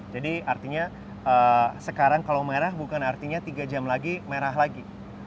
jadi artinya sekarang kalau merah bukan artinya tiga jam lagi merah lagi